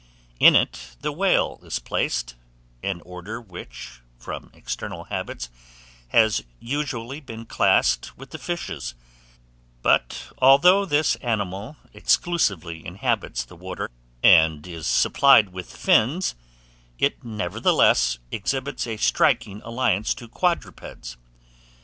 In it the whale is placed, an order which, from external habits, has usually been classed with the fishes; but, although this animal exclusively inhabits the water, and is supplied with fins, it nevertheless exhibits a striking alliance to quadrupeds.